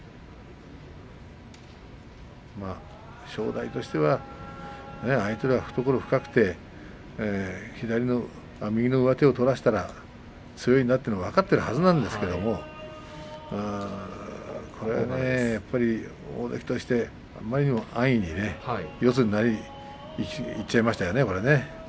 正代としては相手が懐深くて右の上手を取らせたら強いんだと分かっているはずなんですけれどもこれは大関としてあまりにも安易に四つにいっちゃいましたよね。